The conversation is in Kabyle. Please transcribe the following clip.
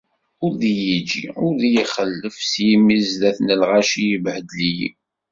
Ur iy-iǧǧi, ur iyi-ixellef s yimi-s sdat n lɣaci, yebbehdel-iyi